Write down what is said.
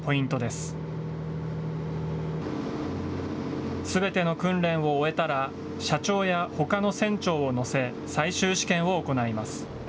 すべての訓練を終えたら、社長やほかの船長を乗せ、最終試験を行います。